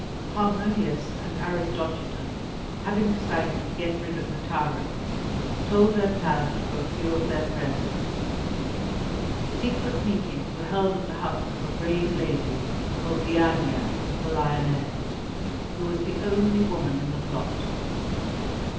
Harmodius and Aristogiton, having decided to get rid of the tyrants, told their plans to a few of their friends. Secret meetings were held at the house of a brave lady called Le æ´na ("the lioness"), who was the only woman in the plot.